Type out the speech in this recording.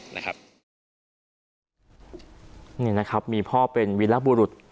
นี่นะครับมีพ่อเป็นวิลบุรุษ